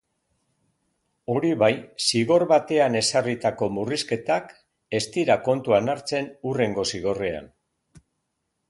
Hori bai, zigor batean ezarritako murrizketak ez dira kontuan hartzen hurrengo zigorrean.